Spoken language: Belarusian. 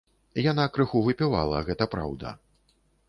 Яна крыху выпівала, гэта праўда.